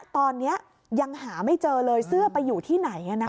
ตอนนี้ยังหาไม่เจอเลยเสื้อไปอยู่ที่ไหน